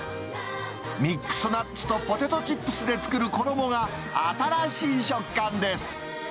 ミックスナッツとポテトチップスで作る衣が、新しい食感です。